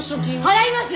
払います！